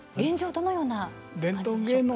どのような感じでしょうか。